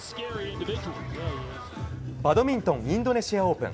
バドミントンインドネシア・オープン。